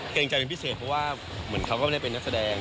เกรงใจเป็นพิเศษเพราะว่าเหมือนเขาก็ไม่ได้เป็นนักแสดง